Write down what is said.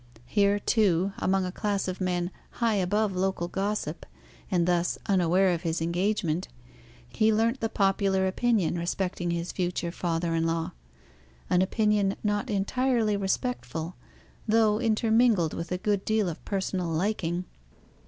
Here, too, among a class of men high above local gossip, and thus unaware of his engagement, he learnt the popular opinion respecting his future father in law; an opinion not entirely respectful, though intermingled with a good deal of personal liking.